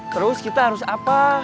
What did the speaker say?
terus kita harus apa